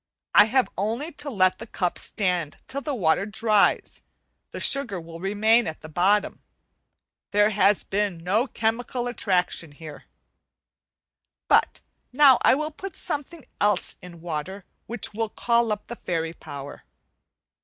I have only to let the cup stand till the water dries, and the sugar will remain at the bottom. There has been no chemical attraction here. But now I will put something else in water which will call up the fairy power.